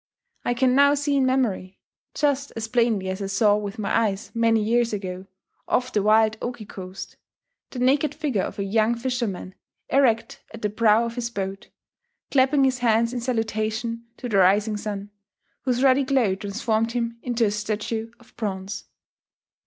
I can now see in memory, just as plainly as I saw with my eyes many years ago, off the wild Oki coast, the naked figure of a young fisherman erect at the prow of his boat, clapping his hands in salutation to the rising sun, whose ruddy glow transformed him into a statue of bronze.